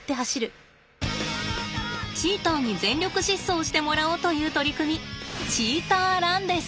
チーターに全力疾走してもらおうという取り組みチーターランです。